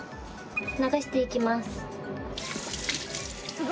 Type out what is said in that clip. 流していきます